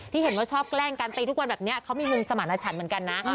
เห็นว่าชอบแกล้งการตีทุกวันแบบนี้เขามีมุมสมรรถฉันเหมือนกันนะ